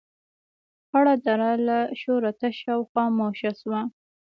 خړه دره له شوره تشه او خاموشه شوه.